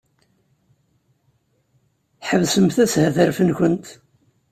Ḥebsemt ashetref-nwent!